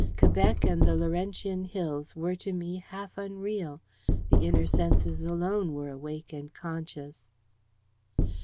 Quebec and the Laurentian hills were to me half unreal: the inner senses alone were awake and conscious.